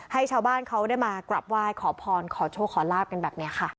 ให้ชาวบ้านเขาได้มากราบไหว้ขอพรขอโชคขอลาบกันแบบนี้ค่ะ